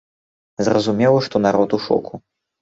Зразумела, што народ у шоку.